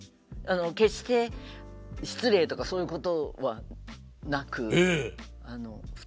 決して失礼とかそういうことはなく普通にタメ口。